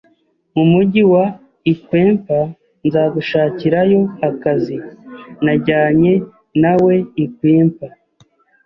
mu mujyi wa i Quimper nzagushakirayo akazi". Najyanye na we i Quimper